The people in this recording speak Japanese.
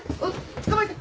捕まえて！